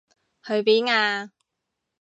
去邊啊？